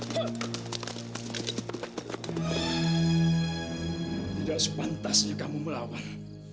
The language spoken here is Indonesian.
tidak sepatutnya kamu melawan